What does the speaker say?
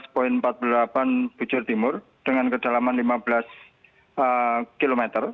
satu ratus enam belas empat puluh delapan pujur timur dengan kedalaman lima belas km